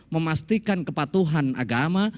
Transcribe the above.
memastikan kepatuhan agama